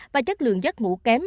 và chất lượng giấc ngủ kém